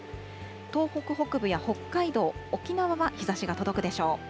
東北北部や北海道、沖縄は日ざしが届くでしょう。